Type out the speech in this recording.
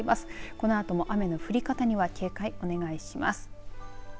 このあとも雨の降り方には警戒、お願いします。